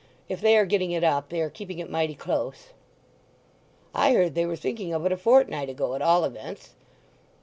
"If they are getting it up they are keeping it mighty close. "I heard they were thinking of it a fortnight ago, at all events."